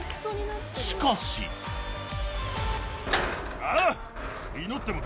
しかしあぁ！